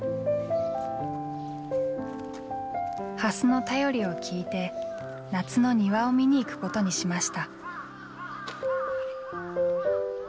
蓮の便りを聞いて夏の庭を見に行くことにしました。